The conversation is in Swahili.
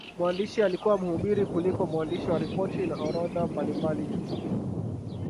Mwandishi alikuwa mhubiri kuliko mwandishi wa ripoti na orodha mbalimbali tu.